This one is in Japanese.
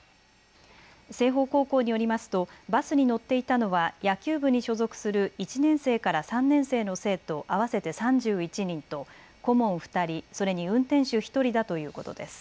青豊高校によりますとバスに乗っていたのは野球部に所属する１年生から３年生の生徒合わせて３１人と顧問２人それに運転手１人だということです。